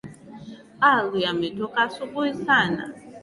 Alwi ametoka asubuhi sana.